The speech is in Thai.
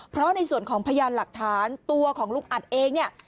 เพราะในส่วนของพยานหลักฐานตัวของลุงอัดเองเนี่ย